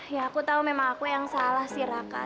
ya aku tahu memang aku yang salah sih raka